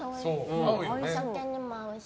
お酒にも合うし。